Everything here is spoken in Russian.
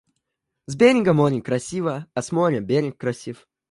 С берега море красиво, а с моря - берег красив.